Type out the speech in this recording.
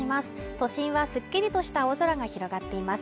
都心はすっきりとした青空が広がっています